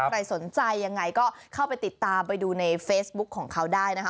ใครสนใจยังไงก็เข้าไปติดตามไปดูในเฟซบุ๊คของเขาได้นะคะ